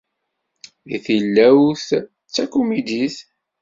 Deg tilawt, d takumidit.